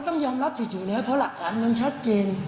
ต้องยอมรับผิดอยู่แล้วเพราะหลักฐานมันชัดเจน